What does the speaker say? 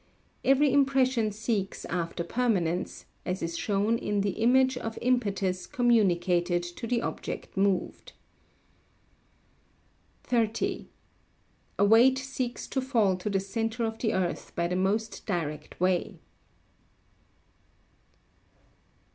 Every impression seeks after permanence, as is shown in the image of impetus communicated to the object moved. 30. A weight seeks to fall to the centre of the earth by the most direct way.